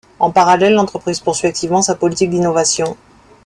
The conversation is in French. En parallèle, l'entreprise poursuit activement sa politique d’innovation.